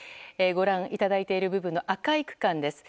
ご覧いただいている部分の赤い区間です。